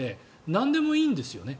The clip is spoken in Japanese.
なんでもいいんですよね。